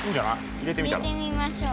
入れてみましょう。